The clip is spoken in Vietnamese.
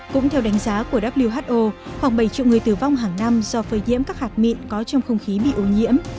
trong thời gian qua của who khoảng bảy triệu người tử vong hàng năm do phơi diễm các hạt mịn có trong không khí bị ô nhiễm